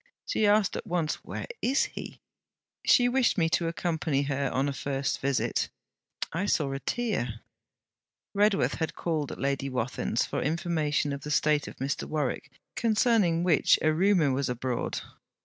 She asked at once, Where is he? She wished me to accompany her on a first visit. I saw a tear.' Redworth had called at Lady Wathin's for information of the state of Mr. Warwick, concerning which a rumour was abroad.